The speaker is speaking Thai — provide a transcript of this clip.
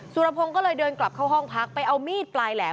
สุรพงศ์ก็เลยเดินกลับเข้าห้องพักไปเอามีดปลายแหลม